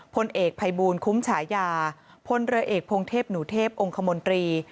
พลเอกภัยบูลคุ้มฉายาพลเรือเอกพงเทพหนูเทพองคมนตรี